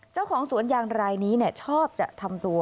เจ้าของสวนยางรายนี้ชอบจะทำตัว